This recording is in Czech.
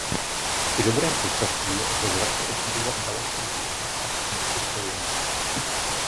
Při dobrém počasí lze z vrchu obdivovat daleký výhled až k městu Soluň.